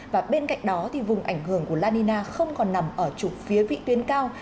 và bên cạnh đó vùng ảnh hưởng của la nina không còn nằm ở trục phía vị tuyến cao